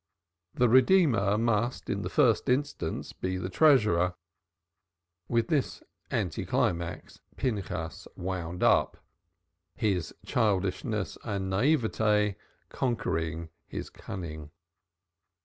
The Redeemer must in the first instance be the treasurer. With this anti climax Pinchas wound up, his childishness and naïveté conquering his cunning.